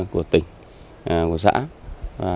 của tỉnh của xã